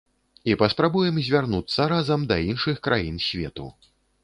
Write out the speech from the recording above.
І паспрабуем звярнуцца разам да іншых краін свету.